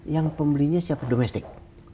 yang pembelinya siapa domestik